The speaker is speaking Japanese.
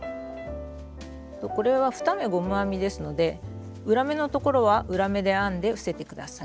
これは２目ゴム編みですので裏目のところは裏目で編んで伏せて下さい。